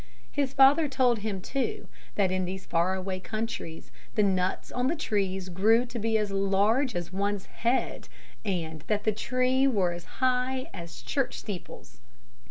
His father told him too, that in these faraway countries the nuts on the trees grew to be as large as one's head and that the tree were as high as church steeples.